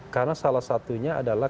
karena salah satunya adalah